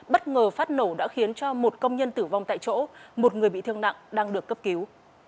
bất ngờ phát nổ đã khiến cho một công nhân tử vong tại chỗ một người bị thương nặng đang được cấp cứu